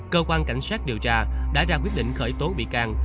cơ quan cảnh sát điều tra đã ra quyết định khởi tố bị can